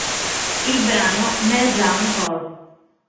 Il brano "Meltdown Corp".